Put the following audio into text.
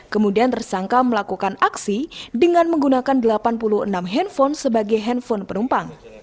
kemudian tersangka melakukan aksi dengan menggunakan delapan puluh enam handphone sebagai handphone penumpang